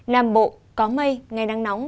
nam bộ có mây ngày nắng nóng